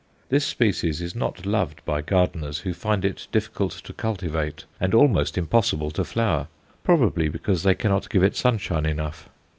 This species is not loved by gardeners, who find it difficult to cultivate and almost impossible to flower, probably because they cannot give it sunshine enough.